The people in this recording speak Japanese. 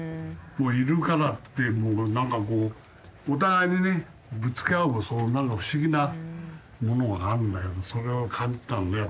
「いるから」ってもう何かこうお互いにねぶつけ合う何か不思議なものがあるんだけどもそれを感じたんで。